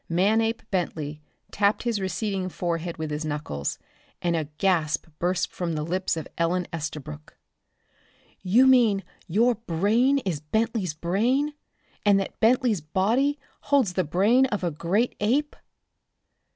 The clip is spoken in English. Manape Bentley tapped his receding forehead with his knuckles, and a gasp burst from the lips of Ellen Estabrook. "You mean your brain is Bentley's brain, and that Bentley's body holds the brain of a great ape?"